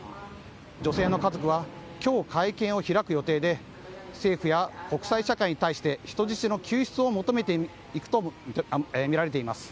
女性の家族は今日会見を開く予定で政府や国際社会に対して人質の救出を求めていくとみられています。